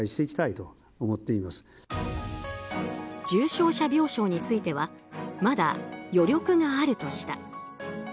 重症者病床についてはまだ余力があるとした。